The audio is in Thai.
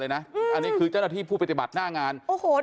อันนี้คือเจ้าหน้าที่ผู้ปฏิบัติหน้างานโอ้โห